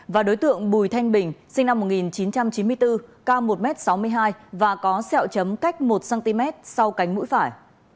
và đối tượng bùi thanh bình sinh năm một nghìn chín trăm chín mươi bốn cao một m sáu mươi hai và có sẹo chấm cách một cm sau cánh mũi phải